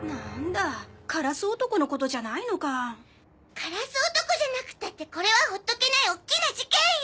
カラス男じゃなくったってこれはほっとけない大きな事件よ。